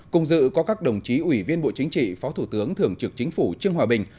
cùng dự có các đồng chí ủy viên bộ chính trị phó thủ tướng thường trực chính phủ trương hòa bình